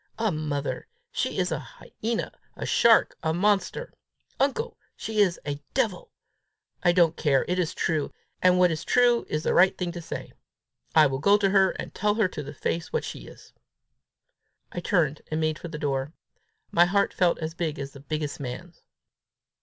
A mother! She is a hyena, a shark, a monster! Uncle, she is a devil! I don't care! It is true; and what is true is the right thing to say. I will go to her, and tell her to her face what she is!" I turned and made for the door. My heart felt as big as the biggest man's.